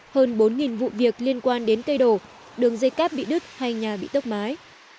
hơn bốn vụ việc liên quan đến cây đổ đường dây cáp bị đứt hay nhà bị tốc mái